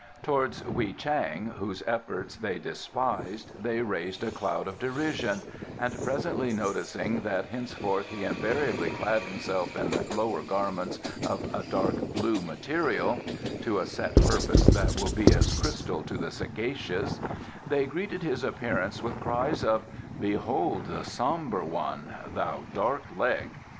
Towards Wei Chang, whose efforts they despised, they raised a cloud of derision, and presently noticing that henceforth he invariably clad himself in lower garments of a dark blue material (to a set purpose that will be as crystal to the sagacious), they greeted his appearance with cries of: "Behold the sombre one! Thou dark leg!"